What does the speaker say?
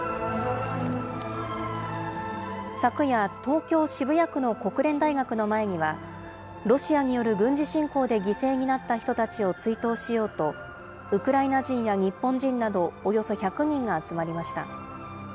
昨夜、東京・渋谷区の国連大学の前には、ロシアによる軍事侵攻で犠牲になった人たちを追悼しようと、ウクライナ人や日本人などおよそ１００人が集まりました。